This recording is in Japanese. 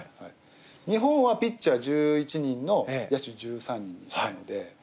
日本はピッチャー１１人の野手１３人なので。